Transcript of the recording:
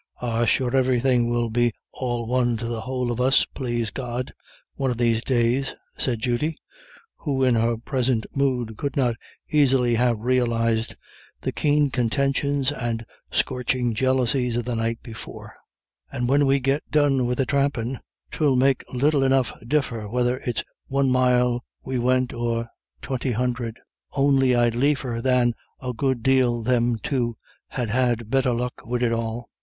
"Ah sure, everythin' will be all one to the whole of us, plase God, one of these days," said Judy, who in her present mood could not easily have realised the keen contentions and scorching jealousies of the night before; "and when we get done with the thrampin', 'twill make little enough differ whether it's one mile we wint or twinty hunderd. On'y I'd liefer than a good dale thim two had had better luck wid it all.